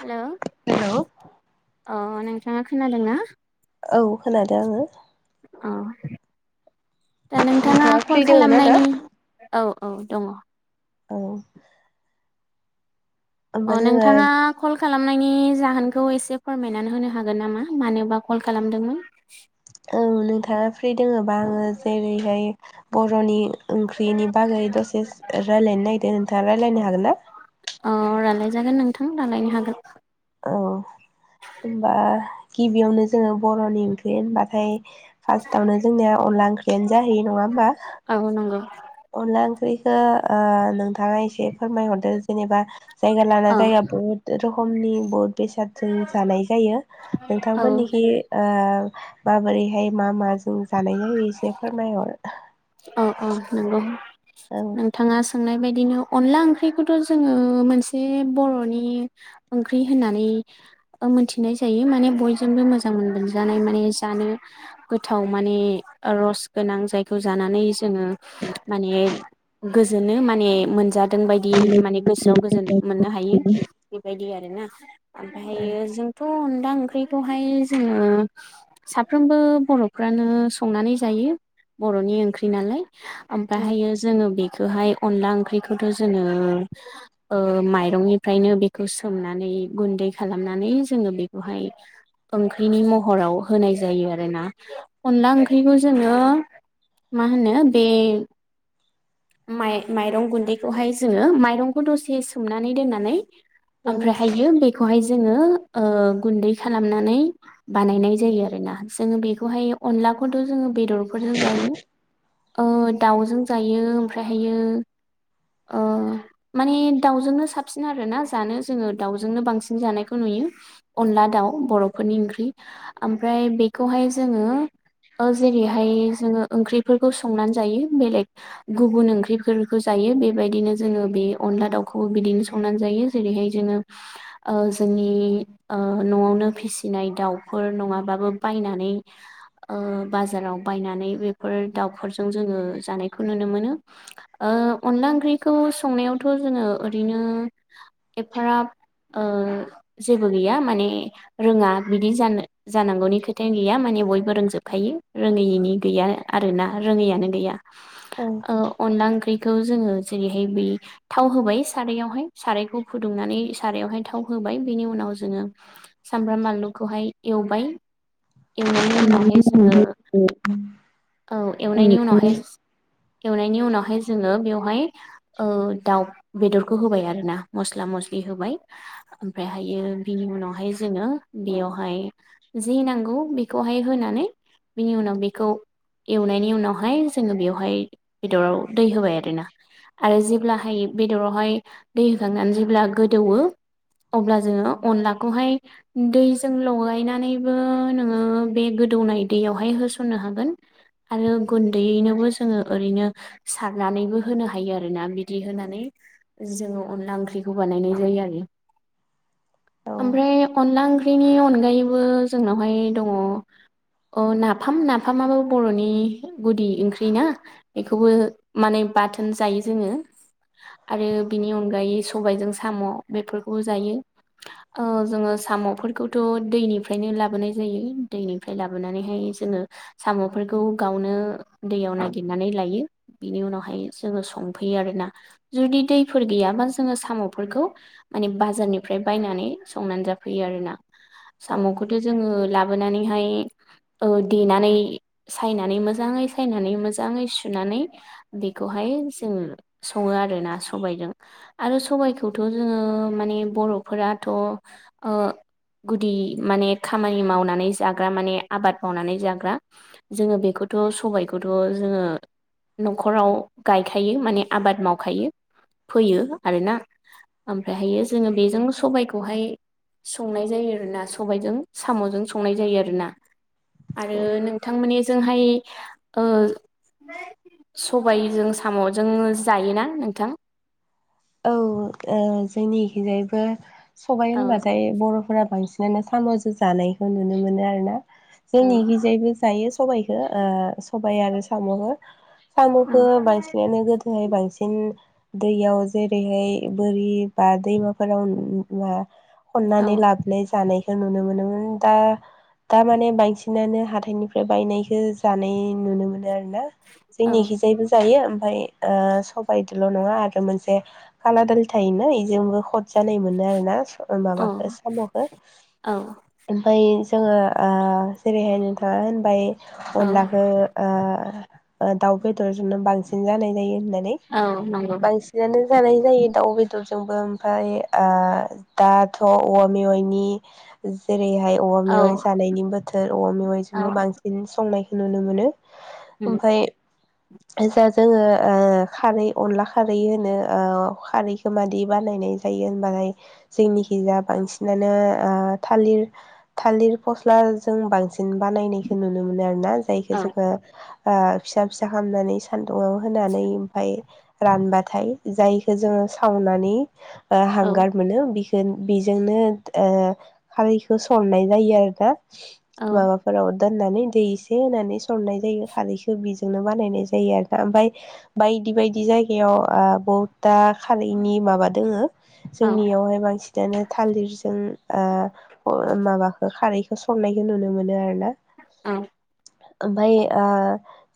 हेल' अ हेलौ नोंथाङा खोनादोंना? औ खोनादों आङो। अ दा नोंथाङा फ्रि कल दोङो ना दा? खालामनायनि औ औ दङ। औ अ होमबा जोङो नोंथाङा औ कल खालाम नायनि जाहोनखौ एसे फोरमायनानै होनो हागोन नामा मानोबा कल खालामदोंमोन? औ नोंथाङा फ्रि दोङोबा आङो जेरैहाय बर'नि ओंख्रिनि बागै दसे रायलायनो नागिदों नोंथाङा रायलायनो हागोन ना? जागोन नोंथां रालायनो हागोन। औ होनबा गिबियावनो जोङो बर'नि ओंख्रि होनबाथाय फार्स्टआवनो जोंनिया अनला ओंख्रियानो जाहैयो नङा होमबा? औ नंगौ अनला ओंख्रिखौ ओ नों थाङा एसे फोरमायहरदो जेनेबा जायगा लाना औ जायगा बहुद रोखमनि बहुद बेसादजों जानाय जायो औ नोंथांमोननिखि ओ माबोरैहाय मा मा जों जानाय जायो एसे फोरमायहर। अ अ नंगौ औ नोंथाङा सोंनाय बायदिनो अनला ओंख्रिखौथ' जोङो मोनसे बर'नि ओंख्रि होननानै ओ मोनथिनाय जायो माने बयजोंबो मोजां मोनजानाय माने जानो गोथाव माने रस गोनां जायखौ जानानै जोङो माने गोजोनो‌ माने मोनजा दों बायदि माने गोसोआव गोजोन मोननो हायो बेबायदि आरोना ओमफायो जों थ' अनदां ख्रिखौहाय जोङो साफ्रोमबो बर'फ्रानो संनानै जायो। बर'नि ओंख्रि नालाय औ ओमफ्रायहायो जोङो बे खोहाय अनला ओंख्रिखौथ' जोङो ओ माइरंनिफ्रायनो बेखौ सोमनानै गुन्दै खालामनानै जोङो बेखौहाय ओंख्रिनि महराव होनाय जायो आरोना अनला ओंख्रिखौ जोंङो मा होनो बे माइ-माइरं गुन्दैखौहाय जोंङो माइरंखौ दसे सोमनानै दोननानै ओमफ्राय हाययो बे खौहाय जोंङो ओ गुैनदै खालामनानै बानायनाय जायो आरोना जोंङो बेखौहाय अनलाखौथ' जोंङो बेदरफोरजों जायो दाउजों जायो ओमफ्राय हायो ओ माने दाउजोंनो साबसिन आरोना जानो जोंङो दाउजोंनो बांसिन जानायखौ नुयो हायो अनला दाउ बर'फोरनि ओंख्रि ओमफ्राय बेखौहाय जोंङो ओ जेरैहाय जोंङो ओंख्रिफोरखौ संनानै जायो बेलेक गुबुन ओंख्रिफोरखौ जायो बेबायदिनो जोंङो बे अनला दाउखौबो बिदिनो संनानै जायो जेरैहाय जोंङो ओ जोंनि ओ नआवनो फिसिनाय दाउफोर नंङाबाबो बायनानै बाजाराव बायनानै बेफोर दाउखफोरजों जोंङो जानायखौ नुनो मोनो ओ अनला ओंख्रिखौ संनायाव थ' जोंङो ओरैनो एफाराब ओ जेबो गैया माने रोंङा बिदि जानो जानांगौनि खोथायानो गैया माने बयबो रोंजोबखायो रोङैनि गैना आरोना रोङैआनो गैआ ओ अनला ओंख्रि जोंङो जेरैहाय बे थाव होबाय साराइआवहाय सारायखौ फुुंदुंनानै सारायावहाय थाव होबाय बेनि उनाव जोंङो सामब्राम बानलुखौहाय एवबाय एवनायनि उनावहाय जोंङो औ एवनायनि उनावहाय एवनायनि उनावहाय जों जोंङो बेवहाय दाउ बेदरखौ होबाय आरोना मस्ला मस्लि होबाय ओमफ्रायहायो बिनि उनावहाय जोंङो बेयावहाय जि नांगौ बेखौहाय होनानै बेनि उनाव बे बेखौ एवनायनि उनावहाय जोंङो बेवहाय बेदराव दै होबाय आरोना आरो जेब्लाहाय बेदरावहाय दै होखांनानै जेब्ला गोदौओ अब्ला जोंङो अनलाखौहाय दैजों लगायनानैबो नोंङो बे गोदौनाय दैयावहाय हो होनो हागोन आरो गुन्दैयैनोबो जोंङो ओरैनो सारनानैबो होनो हायो आरोना ना बिदि होनानै जोंङो अनला ओंख्रिखौ बानायनाय जायो आरो [inaudible] औ ओमफ्राय अनला ओंख्रिनि अनगायैबो जोंनावहाय दंङ‌ अ ना नाफाम नाफामाबो बरनि गुदि ओंख्रि ना बेखौबो माने बाथोन जायो जोंङो आरो बिनि अनगायै सबायाइजों साम बेफोरखौबो जायो ओ जोंङो सामफोरखौथ दैनिफ्रायनो लाबोनाय जायो दैनिफ्राय लाबोनानैहाय जोंङो सामफोरखौ गावनो दैयाव नागिरनानै लायो बिनि उनावहाय जोंङो स सौफैयो आरोना जुदि दैफोर गैयाबा जोंङो सामफोरखौ माने बाजारनिफ्राय बायनानै संनानै जाफैयो आरोना औ सामखौथ जोंङो लाबोनानैहाय ओ‌ देनानै सायनानै मोजांङै सायनानै मोजांङै सुनानै बेखौहाय सङो आरोना सबायजों आरो सबायखौथ जोंङो माने बरफो राथ' गुदि माने खामानि मावनानै जाग्रा माने आबाद मावनानै जाग्रा जोंङो बेखौथ सबायखौथ जोंङो नखराव गायखायो माने आबाद मावखायो फैयो आरोना ओमफ्रायहायो जोंङो बेजों सबायखौहाय संनाय जायो आरोना सबायजों सामजों संनाय जायो आरोना। आरो औ नोंथांमोननिजोंहाय सबायजों सामजों जायोना नोंथां? औ जोंनिथिंजायबो सबाय औ होनबाथाय बरफोरा बांसिन [unintelligible] साम'जों जानायखौ नुनो मोनो आरोना। औ जोंनिखिजायबो जायो सबायखौ ओ सबाय आरो साम'खो। औ साम'खो बांसिनानो गोदोहाय बांसिन दैयाव जेरैहाय बोरि बा दैमाफोराव [unintelligible] खननानै औ लाबोनाय जानाय नुनो मोनोमोन दा दा माने बांसिनानो हाथाइनिफ्राय बायनायखो जानाय नुनो मोनो आरो। ना औ जोंनिखिजायबो जायो ओमफ्राय ओ सबायदोल' नङा आरो मोनसे कालादालि थायोना बेजोंबो खद जानाय मोनो आरो ना। ओ माबाखौ साम'खो, औ ओमफ्राय जोङो ओ जेरैहाय नोंथाङा होनबाय औ अनलाखो आ दाउ बेदरजोंनो बांसिन जानाय जायो होननानै औ नंगौ बांसिनानो जानाय जायो दाउ बेदरजोंबो ओमफ्राय आ दाथ' औवा मेवाइनि जेरैहाय औवा औ मेवाइ जानायनि बोथोर औवा औ मेवाइजोंबो बांसिन संनायखौ नुनो मोनो। उम ओमफ्राय जा जोङो खारै अनला खारै होनो खारैखौ मादि बानायनाय जायो होनबालाय जोंनिखिजा बांसिनानो आ थालिर थालिर फस्लाजों बांसिन बानाय नायखौ नुनो मोनो आरोना। जायखो औ जोङो आ फिसा फिसा खालामनानै सान्दुङाव होनानै ओमफाय रानबाथाय जायखो जोङो सावनानि औ हांगार मोनो बि जों बेजोंनो ओ खारैखौ सरनाय जायो आरोना। माबाफोराव दोननानै दै एसे होनानै सरनाय जायो खारैखौ बि दिनो बानायनाय जायो आरोना ओमफ्राय बायदि बायदि जायगायाव ओ दा खालिनि माबा दोङो, औ जोंनियावहाय बांसिनानो थालिरजों ओ अ माबाखौ खारैखौ संनायखौ नुनो मोनो आरो। ओ ओमफ्राय ओ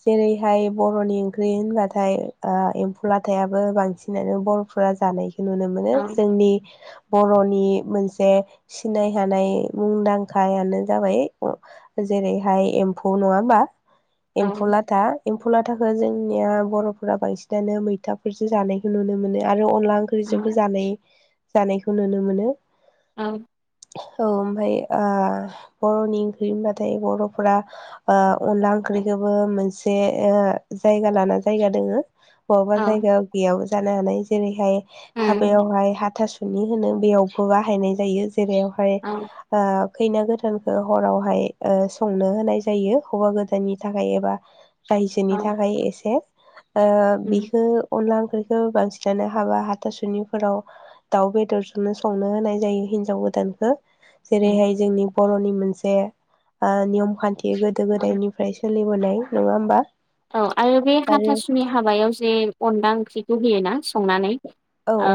जेरैहाय बर'नि ओंख्रि होनबाथाय ओ एम्फौ लाथायाबो बांसिनानो बर'फोरा जानाय नुनो मोनो, जोंनि बर'नि मोनसे सिनाय हानाय मुंदांखायानो जाबाय जेरैहाय एम्फौ नङा होमबा? औ दा एम्फौ लाथाखो जोंनिया बर'फोरा बांसिनानो मैथाफोरजो जानायखौ नुनो मोनो आ रो अनला उम ओंख्रिजोंबो जानाय जानायखौ नुनो मोनो। औ औ ओमफ्राय आ बर'नि ओंख्रि होनबाथाय बर'फोरा ओ अनला ओं ख्रिखौबो मोनसे ओ जायगा लाना जायगा दङो बहाबा जायगायाव गैयाबो जानो हानाय जेरैहाय हाबायावहाय हाथासुनि होनो बेयावबो बाहायनाय जायो। जेरैहाय ओ खैना गोदानखो हरावहाय ओ संनो होनाय जायो हौवा गोदाननि थाखाय एबा रायजोनि औ थाखाय एसे ओ उम बिखो अनला खो बांसिनानो हाबा हाथासुनिफोराव दाउ बेदरजोंनो संनो होनाय जायो हिनजाव गो दानखो उम जेरैहाय जोंनि बर'नि मोनसे ओ नियम खान्थि गोदो औ गोदायनिफ्राय सो सोलिबोनाय नङा होमबा? औ, आरो बे हाथासुनि हाबायाव जे अनला ओंख्रिखौ होयो ना संनानै? औ ओ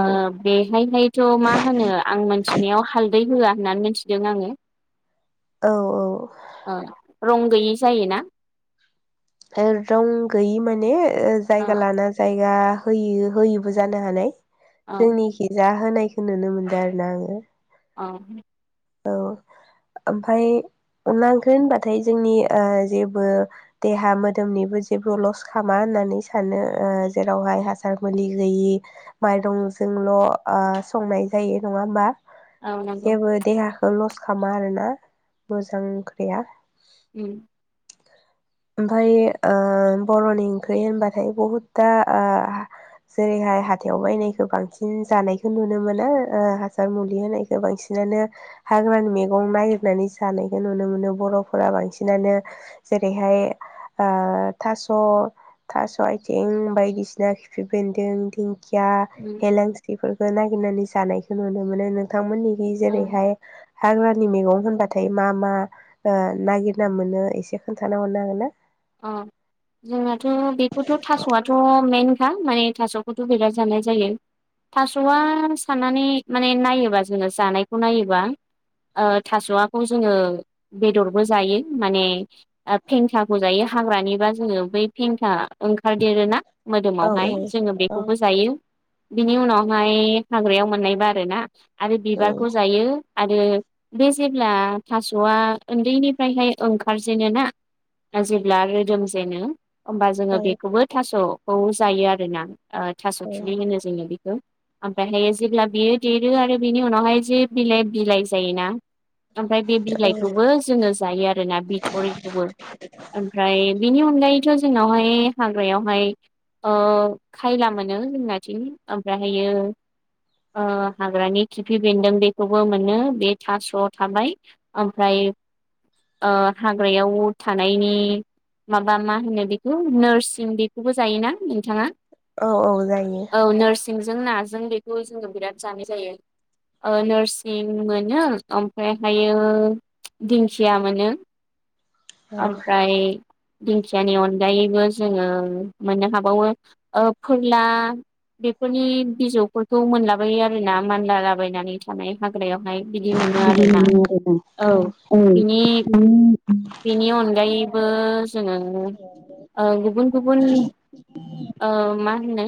बेहायहायथ' मा होनो आं मिथिनायाव हाल दै होआ होननानै मिथिदों आङो। औ औ। ओ रं गैयि जायोना? रं गैयि माने ओ जायगा लाना जायगा होयो होयोैबो जानो हानाय। औ जोंनिखि जा होनायखौ नुनो मोनदों आरोना आङो। औ। औ। ओमफाय अनला ओंख्रि होनबाथाय जोंनि ओ जेबो देहा मोदोमनि जेबो ल'स खामा होननानै सानो ओ जेराव हासार मुलि होयि माइरं जोंल' ओ संनाय जायो नङा होमबा? औ नंगौ। खौ ल'स खालामा आरोना मोजां ओंख्रिया। उम। ओमफफ्राय ओ बर'नि ओंख्रि होनबाथाय बहुद दा आह जेरैहाय हाथायाव बायनायखौ बांसिन जानायखौ नुनो मोनो ।ओ हासार मुलि होनायखौ बांसिन नानो हाग्रानि मैगं नागिरनानै जानायखौ नुनो मोनो बर'फोरा बांसिनानो। जेरै- बेहाय ओ थास' थास' आथिं बायदिसिना खिफि बेन्दों दिं खिया, उम हेलांसिफोरखौ नागिरनानै जानायखौ नुनो मोनो ।नों थांमोननिखै औ जेरैहाय हाग्रानि मैगं होनबाथाय मा मा ओ नागिरना मोनो एसे खोन्थाना हरनो हागोन ना? अ जोंनाथ' बेखौथ' थास'आथ' मेन हा माने थास'खौथ' बिराथ जानाय जायो थास'आ साननानै माने नायोबा जोङो जानायखौ नायोबा ओ थास'वाखौ जोङो बेदरबो जायो माने फेंखा बो जायो हाग्रानिबा जोङो बै फेेनखा ओंखारदेरोना? औ मोदोमावहाय औ जोङो बेखौबो जायो। बिनि उनावहाय हाग्रायाव मोननायबा आरो ना? आरो बिबारखौ जायो। आरो बे जेब्ला थास'आ उन्दैनिफ्रायहाय ओंखारजेनो ना? जेब्ला रोदोम जेनो होमबा औ जोङो बेखौबो थास'खौ जायो आरोना। ओ थास' औ खिनि होनो जोङो ओमफ्रायहायो जेब्ला बियो देरो आरो बेनि उनावहाय जे बिलाइ बिलाइ जायोना। ओमफ्राय बे बिलाइखौबो जोङो जायो आरोना बिथरिखौबो । ओमफ्राय बेनि अनगायैथ' जोंनावहाय हाग्रायावहाय ओ खायला मोनो जोंनाथिं ओमफ्रायहायो ओ हाग्रानि खिफि बेन्दों बेखौबो मोनो बे थास'आव थाबाय ओमफ्राय ओ हाग्रायाव थानायनि माबा मा होनो बेखौ नोरसिं बेखौबो जायोना नोंथाङा? औ औ जायो। जों नाजों बेखौ जोङो बिराद जानाय जायो। ओ नोरसिं मोनो ओमफ्रायहायो दिंखिया मोनो औ औ ओमफ्राय दिंखियानि अनगायैबो जोङो मोननो हाबावो फोरला बेफोरनि बिजौफोरखौ मोनलाबायो आरोना मानलालाबायनानै थानाय हाग्रायाव हायो बिदि मोनो आरोना बेखौनो । औ होनो बिनि बिनि अन अनगायैबो जोङो ओ गुबुन गुबुन ओ मा होनो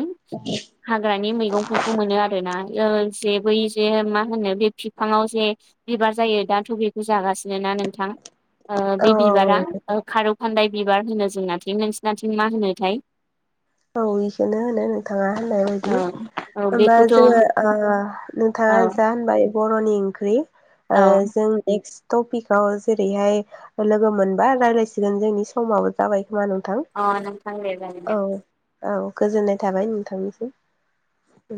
हाग्रानि मैगंफोरखौ मोनो आरोना। जे बै जे मा होनो बे फिफांआव जे बिबार जायो दाथ' बेखौ जागासिनो ना नोंथां बे बिबारा ओ खारौ खान्दाय बिबार होनो जोंनाथिं नोंसिनिथिं मा होनोथाय! औ बेखौनो होनो नोंथाङा होननाय औ बायदि। औ होमबा बेखौथ' औ जोङो ओ नोंथाङा जा होनबाय बर'नि ओंख्रै ओ औ जों एकस टपिकाव जेरैहाय लोगो मोनबा रायलायसिगोन जोंनि समाबो जाबाय। मा नोंथां अ नोंथां दे जागोन दे औ औ गोजोननाय थाबाय नोंथांनिसिम उम